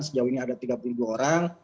sejauh ini ada tiga puluh dua orang